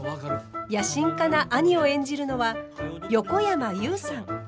野心家な兄を演じるのは横山裕さん。